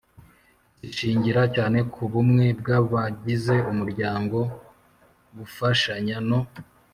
zishingira cyane ku bumwe bw'abagize umuryango, gufashanya no